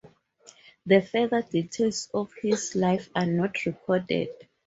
The further details of his life are not recorded.